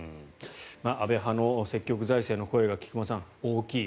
安倍派の積極財政の声が菊間さん、大きい。